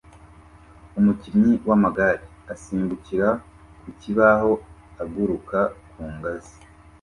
Umukinyi w'amagare asimbukira ku kibaho aguruka ku ngazi